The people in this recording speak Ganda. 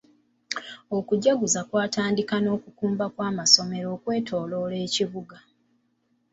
Okujjaguza kwatandika n'okukumba kw'essomero okwetoloola ekibuga.